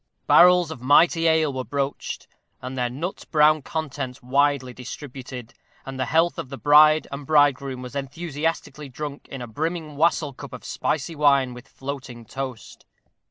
Barrels of mighty ale were broached, and their nut brown contents widely distributed, and the health of the bride and bridegroom was enthusiastically drunk in a brimming wassail cup of spicy wine with floating toast.